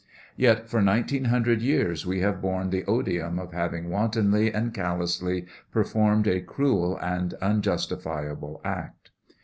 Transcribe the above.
Yet for nineteen hundred years we have borne the odium of having wantonly and callously performed a cruel and unjustifiable act.